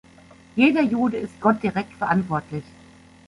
Jeder Jude ist Gott direkt verantwortlich.